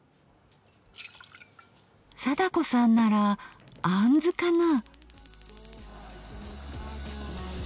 貞子さんならあんずかな？